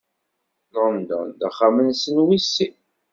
London d axxam-nsen wis sin.